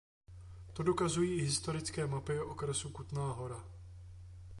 To dokazují i historické mapy okresu Kutná Hora.